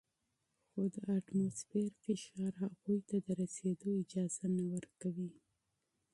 خو د اتموسفیر فشار هغوی ته د رسیدو اجازه نه ورکوي.